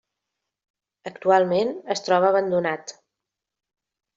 Actualment es troba abandonat.